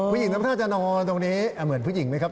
ผู้หญิงนั้นน่าจะนอนตรงนี้เหมือนผู้หญิงไหมครับ